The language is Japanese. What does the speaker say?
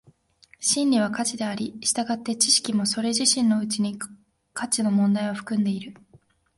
真理は価値であり、従って知識もそれ自身のうちに価値の問題を含んでいる。